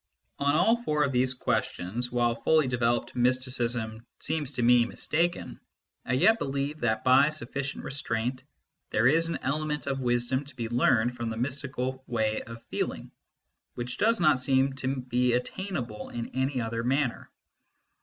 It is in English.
On all four of these questions, while fully developed mysticism seems to me mistaken, I yet believe that, by sufficient restraint, there is an element of wisdom to be learned from the mystical way of feeling, which does not seem to be attainable in any other manner.